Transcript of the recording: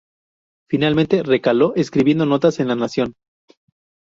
Finalmente recaló escribiendo notas en "La Nación".